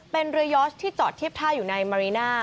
เป็นเรือยอร์ชที่จอดเทียบท่าอยู่ในมาริน่า